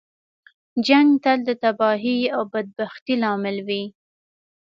جنګ تل د تباهۍ او بدبختۍ لامل وي.